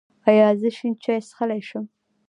ایا زه شین چای څښلی شم؟